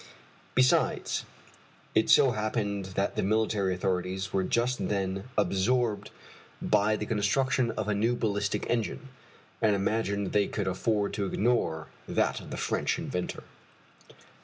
Besides, it so happened that the military authorities were just then absorbed by the construction of a new ballistic engine, and imagined they could afford to ignore that of the French inventor.